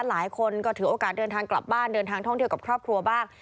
หลายคนก็ถือโอกาสเดินทางกลับบ้านเดินทางท่องเที่ยวกับครอบครัวบ้าง